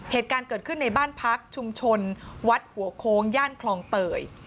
เหตุการณ์เกิดขึ้นในบ้านพักชุมชนวัดหัวโค้งย่านคลองเตย